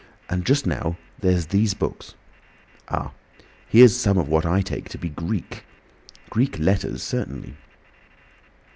And just now there's these books—Ah! here's some of what I take to be Greek! Greek letters certainly."